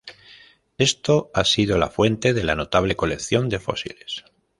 Esto ha sido la fuente de la notable colección de fósiles.